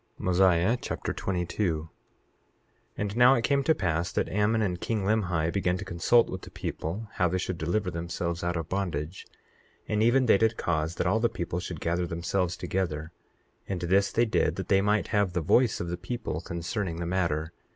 Mosiah Chapter 22 22:1 And now it came to pass that Ammon and king Limhi began to consult with the people how they should deliver themselves out of bondage; and even they did cause that all the people should gather themselves together; and this they did that they might have the voice of the people concerning the matter.